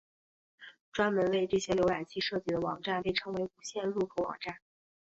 专门为这些浏览器设计的网站被称为无线入口网站。